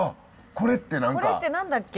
これって何だっけ？